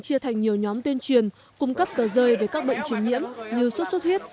chia thành nhiều nhóm tuyên truyền cung cấp tờ rơi về các bệnh truyền nhiễm như suốt suốt huyết